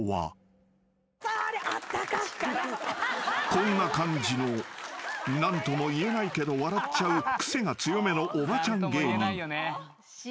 ［こんな感じの何とも言えないけど笑っちゃうクセが強めのおばちゃん芸人］